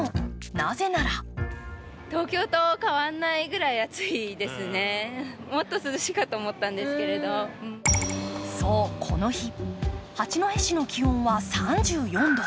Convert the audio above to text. なぜならそう、この日、八戸市の気温は３４度。